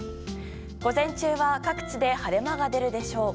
午前中は各地で晴れ間が出るでしょう。